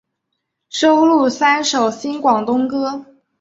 收录三首新广东歌。